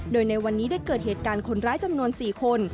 โดยในวันนี้ได้เกิดเหตุการณ์คนร้ายจำนวน๔คน